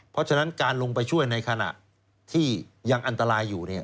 เพราะฉะนั้นการลงไปช่วยในขณะที่ยังอันตรายอยู่